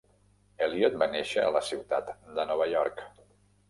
Elliot va néixer a la ciutat de Nova York.